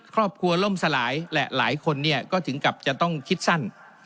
ครอบครัวล่มสลายและหลายคนเนี่ยก็ถึงกับจะต้องคิดสั้น